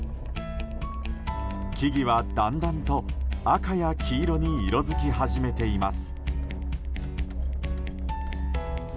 木々はだんだんと赤や黄色に色づき始めています。